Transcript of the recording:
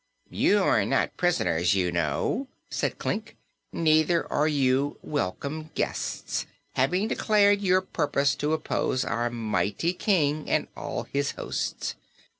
"You are not prisoners, you know," said Klik; "neither are you welcome guests, having declared your purpose to oppose our mighty King and all his hosts.